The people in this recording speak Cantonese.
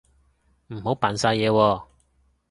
唔好扮晒嘢喎